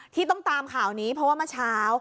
ที่ต้องตามข่าวนี้เพราะว่าเมื่อเช้า